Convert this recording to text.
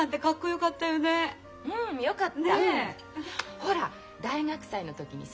ほら大学祭の時にさ